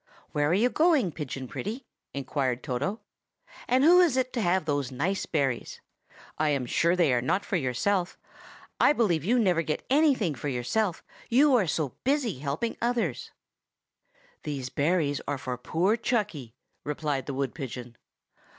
"Where are you going, Pigeon Pretty?" inquired Toto; "and who is to have those nice berries? I am sure they are not for yourself; I believe you never get anything for yourself, you are so busy helping others." "These berries are for poor Chucky," replied the wood pigeon.